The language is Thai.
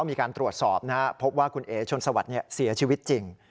มีการตรวจสอบนะครับพบว่าคุณเอ๋ชนสวัสดิ์เสียชีวิตจริง